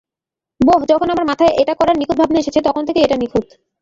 বোহ, যখন আমার মাথায় এটা করার ভাবনা এসেছে তখন থেকেই এটা নিখুঁত।